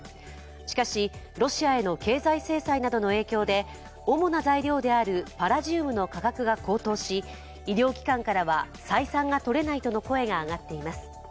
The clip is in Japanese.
しかしロシアへの経済制裁の影響で主な材料であるパラジウムの価格が高騰し医療機関からは採算が取れないとの声が上がっています。